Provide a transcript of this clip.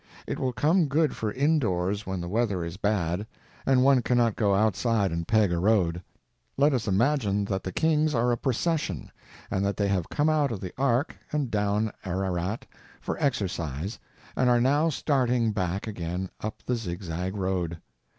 It will come good for indoors when the weather is bad and one cannot go outside and peg a road. Let us imagine that the kings are a procession, and that they have come out of the Ark and down Ararat for exercise and are now starting back again up the zigzag road.